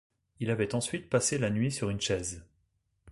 Il avait ensuite passé la nuit sur une chaise.